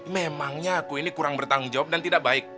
memangnya aku ini kurang bertanggung jawab dan tidak baik